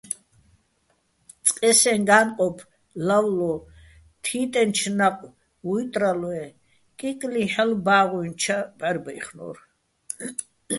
წყე სეჼ გა́ნყოფ ლავლო თიტენჩო̆ ნა́ყვ ვუჲტრალო̆, კიკლიჰ̦ალო̆ ბა́ღუჲნი̆ ჩა ბჵარბაჲხნო́რ.